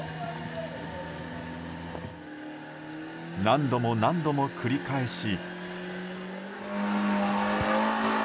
何度も何度も繰り返し。